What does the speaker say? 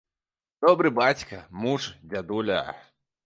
Добры бацька, муж, дзядуля.